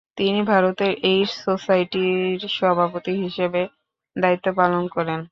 তিনি ভারতের এইডস সোসাইটির সভাপতি হিসেবে দায়িত্ব পালন করেন।